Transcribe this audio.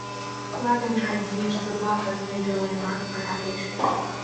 Wagon trains used the bluff as a major landmark for navigation.